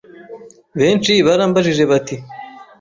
Benshi barambajije bati,